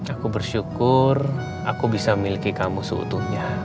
aku bersyukur aku bisa miliki kamu seutuhnya